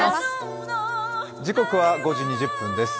時刻は５時２０分です。